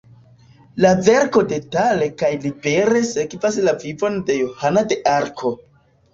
La verko detale kaj libere sekvas la vivon de Johana de Arko.